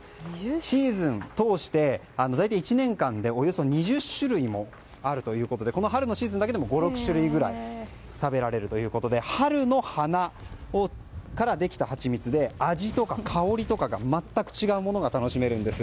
シーズン通して大体１年間で、およそ２０種類もあるということでこの春のシーズンだけでも５６種類ぐらい食べられるということで春の花からできたハチミツで味とか香りとかが全く違うものが楽しめるんです。